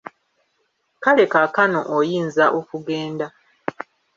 Kale kaakano oyinza okugenda.